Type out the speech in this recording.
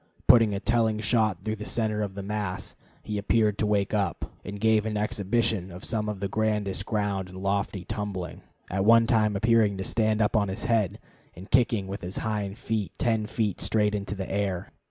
Putting a telling shot through the center of the mass, he appeared to wake up, and gave an exhibition of some of the grandest ground and lofty tumbling, at one time appearing to stand up on his head and kicking with his hind feet ten feet straight into the air.